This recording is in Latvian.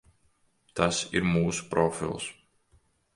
Tas ir mūsu profils.